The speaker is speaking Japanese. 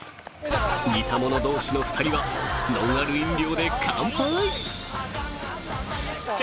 似た者同士の２人はノンアル飲料で乾杯！